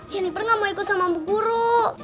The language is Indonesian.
jennifer gak mau ikut sama bu guru